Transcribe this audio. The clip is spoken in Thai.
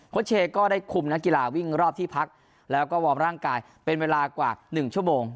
เชย์ก็ได้คุมนักกีฬาวิ่งรอบที่พักแล้วก็วอร์มร่างกายเป็นเวลากว่า๑ชั่วโมง